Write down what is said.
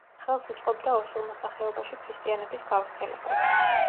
ხელს უწყობდა ოსურ მოსახლეობაში ქრისტიანობის გავრცელებას.